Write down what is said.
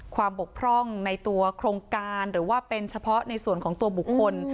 บกพร่องในตัวโครงการหรือว่าเป็นเฉพาะในส่วนของตัวบุคคล